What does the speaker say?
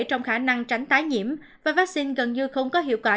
trong khả năng tránh tái nhiễm và vaccine gần như không có hiệu quả